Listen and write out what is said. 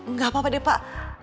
nggak apa apa deh pak